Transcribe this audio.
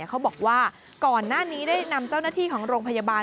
เขาบอกว่าก่อนหน้านี้ได้นำเจ้าหน้าที่ของโรงพยาบาล